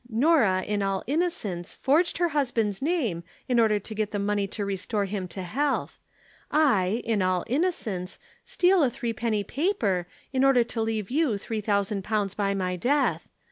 Norah in all innocence forged her husband's name in order to get the money to restore him to health. I, in all innocence, steal a threepenny paper, in order to leave you three thousand pounds by my death.